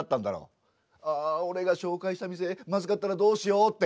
あ俺が紹介した店まずかったらどうしようって。